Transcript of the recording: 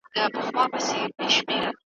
اکبرخان وویل چې مکناتن به ژوندي ونیول شي.